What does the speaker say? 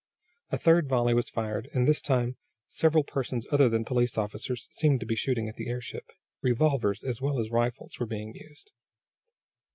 A third volley was fired, and this time several persons other than police officers seemed to be shooting at the airship. Revolvers as well as rifles were being used.